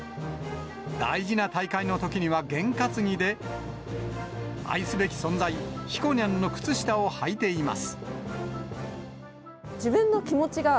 大事な大会のときには験担ぎで、愛すべき存在、ひこにゃんの靴下をはいています。